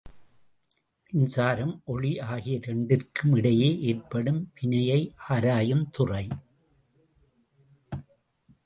மின்சாரம், ஒளி ஆகிய இரண்டிற்குமிடையே ஏற்படும் வினையை ஆராயுந் துறை.